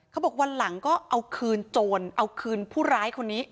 เขาบอกวันหลังก็เอาคืนโจรเอาคืนผู้ร้ายคนนี้